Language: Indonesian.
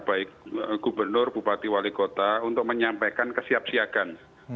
baik gubernur bupati wali kota untuk menyampaikan kesiapsiakan